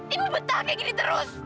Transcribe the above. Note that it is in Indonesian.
ini betah kayak gini terus